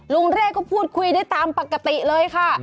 เร่ก็พูดคุยได้ตามปกติเลยค่ะ